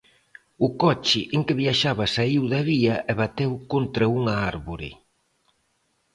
O coche en que viaxaba saíu da vía e bateu contra unha árbore.